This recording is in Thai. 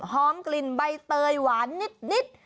กลิ่นใบเตยหวานนิด